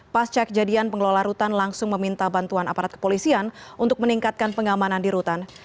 pasca kejadian pengelola rutan langsung meminta bantuan aparat kepolisian untuk meningkatkan pengamanan di rutan